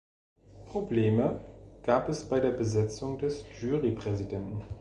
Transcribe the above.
Probleme gab es bei der Besetzung des Jury-Präsidenten.